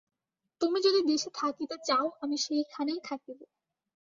তুমি যদি দেশে থাকিতে চাও, আমি সেইখানেই থাকিব।